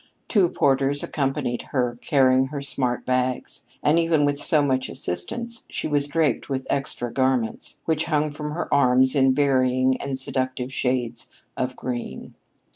Two porters accompanied her, carrying her smart bags, and, even with so much assistance, she was draped with extra garments, which hung from her arms in varying and seductive shades of green.